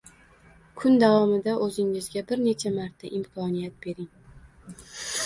Kun davomida o’zingizga bir necha marta imkoniyat bering.